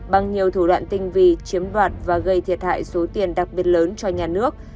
bằng nhiều thủ đoạn tinh vi chiếm đoạt và gây thiệt hại số tiền đặc biệt lớn cho nhà nước